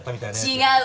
違う。